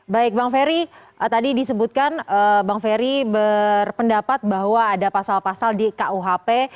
baik bang ferry tadi disebutkan bang ferry berpendapat bahwa ada pasal pasal di kuhp